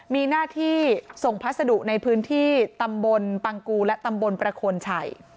มีหน้าที่ส่งพัสดุในพื้นที่ตำบลปังกูและตำบลประโคนชัย